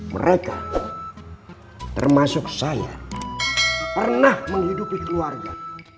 mereka termasuk saya pernah menghidupi keluarga